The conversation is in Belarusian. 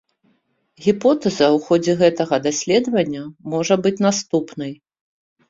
Гіпотэза ў ходзе гэтага даследавання можа быць наступнай.